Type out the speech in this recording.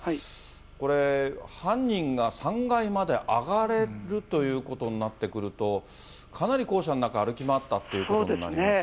これ、犯人が３階まで上がれるということになってくると、かなり校舎の中、歩き回ったということになりますよね。